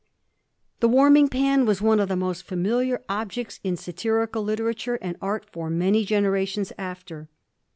The warm ing pan was one of the most familiar objects in satirical literature and art for many generations after.